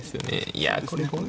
いやこれ。